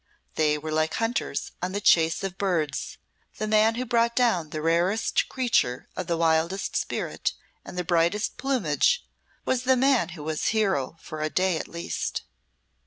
They were like hunters on the chase of birds, the man who brought down the rarest creature of the wildest spirit and the brightest plumage was the man who was a hero for a day at least.